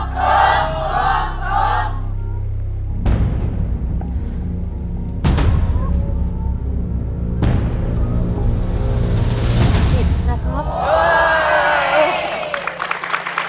ผิดนะครับ